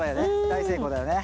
大成功だよね。